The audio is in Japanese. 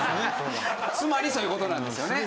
つまりそういう事なんですよね。